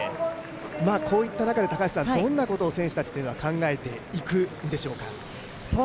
こういった中でどんなことを選手たちは考えていくのでしょうか。